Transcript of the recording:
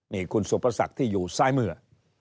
นี่คุณสุพักษรที่อยู่ซ้ายเมื่อ